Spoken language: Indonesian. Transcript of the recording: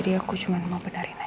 jatuh jadi aku cuma mau berdarin aja